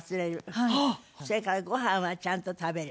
それからご飯はちゃんと食べる。